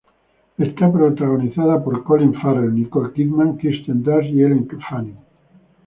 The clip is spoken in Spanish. Es protagonizada por Colin Farrell, Nicole Kidman, Kirsten Dunst y Elle Fanning.